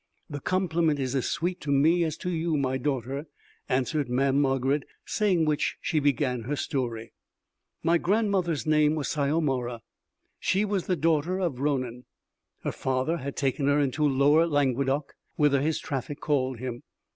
"The compliment is as sweet to me as to you, my daughter," answered Mamm' Margarid; saying which she began her story: "My grandmother's name was Syomara; she was the daughter of Ronan. Her father had taken her into lower Languedoc whither his traffic called him.